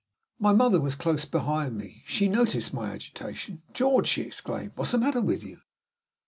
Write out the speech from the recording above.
My mother was close behind me. She noticed my agitation. "George!" she exclaimed, "what is the matter with you?"